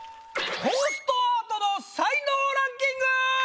トーストアートの才能ランキング！